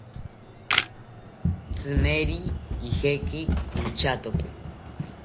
Tzimeri ijeki inchatoki